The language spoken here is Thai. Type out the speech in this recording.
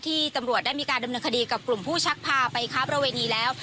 ตำรวจได้มีการดำเนินคดีกับกลุ่มผู้ชักพาไปค้าประเวณีแล้ว